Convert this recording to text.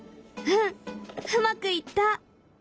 うんうまくいった！